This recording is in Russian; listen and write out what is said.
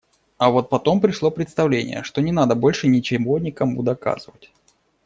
А вот потом пришло представление, что не надо больше ничего никому доказывать.